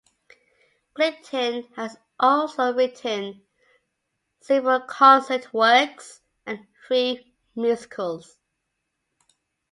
Clinton has also written several concert works and three musicals.